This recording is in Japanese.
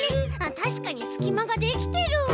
たしかにすきまができてる！